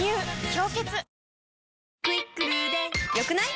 「氷結」「『クイックル』で良くない？」